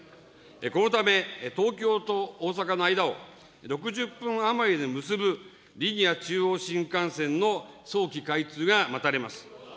このため東京と大阪の間を６０分余りで結ぶ、リニア中央新幹線の早期開通が待たれます。